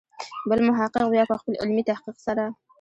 بل محقق بیا په خپل علمي تحقیق سره.